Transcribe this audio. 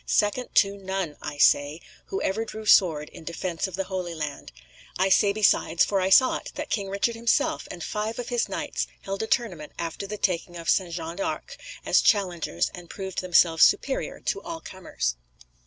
"SECOND to NONE, I say, who ever drew sword in defence of the Holy Land. I say, besides, for I saw it, that King Richard himself and five of his knights held a tournament after the taking of St. John de Acre, as challengers, and proved themselves superior to all comers."